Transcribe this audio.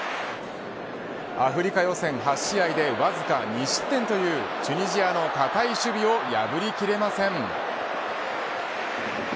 アフリカ予選８試合でわずか２失点というチュニジアの堅い守備を破り切れません。